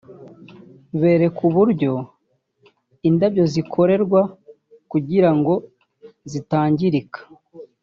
berekwa uburyo indabyo zikorerwa kugira ngo zitangirika